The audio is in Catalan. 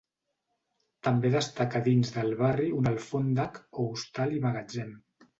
També destaca dins del barri un alfòndec, o hostal i magatzem.